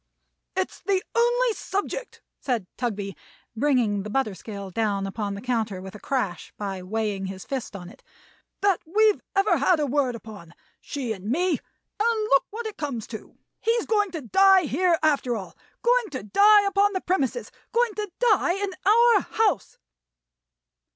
"It's the only subject," said Tugby, bringing the butter scale down upon the counter with a crash, by weighing his fist on it, "that we've ever had a word upon; she and me; and look what it comes to! He's going to die here, after all. Going to die upon the premises. Going to die in our house!"